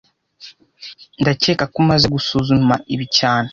Ndakeka ko umaze gusuzuma ibi cyane